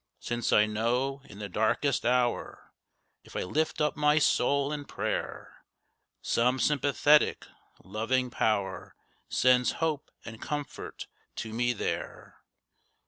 Since I know in the darkest hour, If I lift up my soul in prayer, Some sympathetic, loving Power Sends hope and comfort to me there.